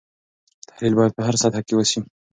تحلیل باید په هره سطحه کې وسي.